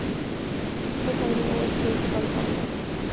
ټوخی مو وچ دی که بلغم لري؟